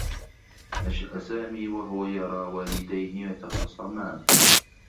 نشأ سامي و هو يرى والديه يتخاصمان.